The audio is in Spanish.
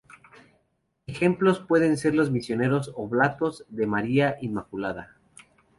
Ejemplos pueden ser los Misioneros Oblatos de María Inmaculada.